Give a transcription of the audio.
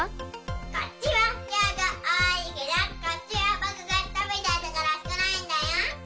こっちはりょうがおおいけどこっちはぼくがたべちゃったからすくないんだよ。